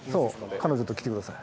彼女と来て下さい。